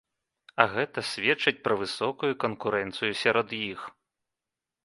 А гэта сведчыць пра высокую канкурэнцыю сярод іх.